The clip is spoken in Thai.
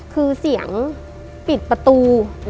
คือเสียงปิดประตู